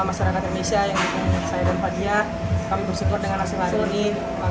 masyarakat indonesia yang saya dan fadlia kami bersyukur dengan hasil hari ini